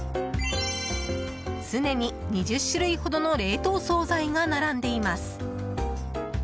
常に２０種類ほどの冷凍総菜が並んでいます。